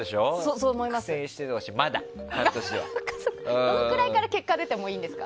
どのくらいから結果出てもいいんですか？